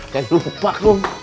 kayaknya lupa gue